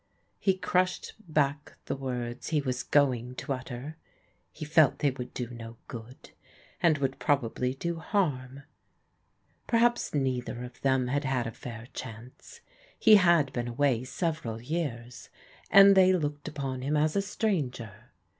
He crushed back the words he was going to utter. He fdt they would do no good, and would probably do harm. Perhaps neither of them had had a fair chance. He had been away several years, and they looked upon him as a stranger.